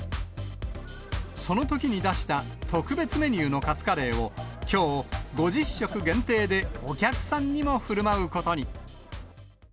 そのときに出した特別メニューのカツカレーを、きょう、５０食限定でお客さんにもふるまうことに。